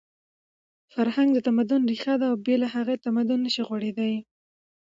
فرهنګ د تمدن ریښه ده او بې له هغې تمدن نشي غوړېدی.